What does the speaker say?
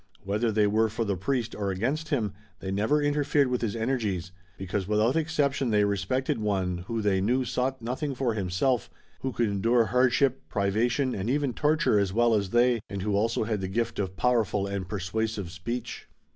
Whether they were for the priest or against him, they never interfered with his energies, because without exception they respected one who they knew sought nothing for himself, who could endure hardship, privation and even torture as well as they, and who also had the gift of powerful and persuasive speech.